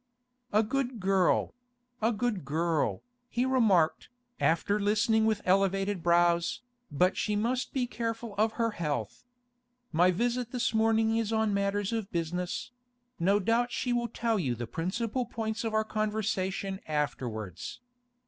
'A good girl; a good girl,' he remarked, after listening with elevated brows, 'But she must be careful of her health. My visit this morning is on matters of business; no doubt she will tell you the principal points of our conversation afterwards.